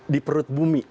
di perut bumi